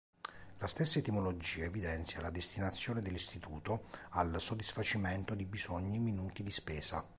La stessa etimologia evidenzia la destinazione dell'istituto al soddisfacimento di bisogni minuti di spesa.